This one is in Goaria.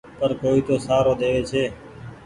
پر ڪوئي تو کآرو ۮيوي ڇي۔